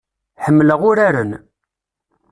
Ḥemmleɣ uraren.